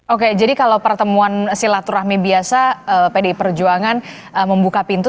oke jadi kalau pertemuan silaturahmi biasa pdi perjuangan membuka pintu